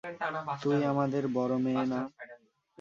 তুই আমাদের বড় মেয়ে না?